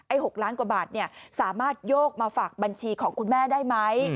๖ล้านกว่าบาทเนี่ยสามารถโยกมาฝากบัญชีของคุณแม่ได้ไหม